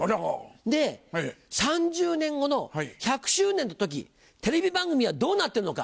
で「３０年後の１００周年の時テレビ番組はどうなってるのか？」